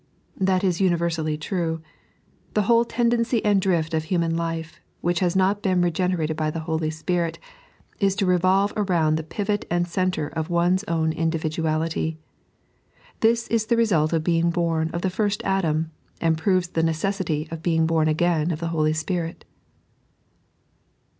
That is universally true. The whole tendency and drift of human life, which has not been regenerated by the Holy Spirit, is to revolve aroimd the pivot and centre of one's own individuality. This is the result of being bom of the fimt Adam, and proves the necessity of being bom again of the Holy Spirit.